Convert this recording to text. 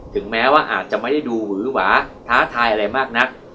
ถึงแม้ว่าอาจจะไม่ได้ดูหือหวาท้าทายอะไรมากนัก